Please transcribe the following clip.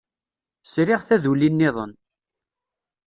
Sriɣ taduli niḍen.